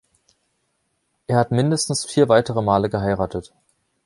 Er hat mindestens vier weitere Male geheiratet.